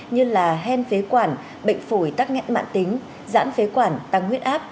như hen phế quản bệnh phổi tắc nghẹn mạng tính giãn phế quản tăng huyết áp